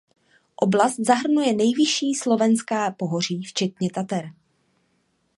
Oblast zahrnuje nejvyšší slovenská pohoří včetně Tater.